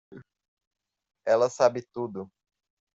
Ela sabe tudo.